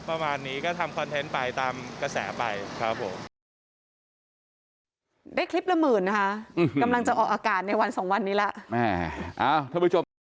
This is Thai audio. ประมาณนี้ก็ทำคอนเทนต์ไปตามกระแสไปครับผม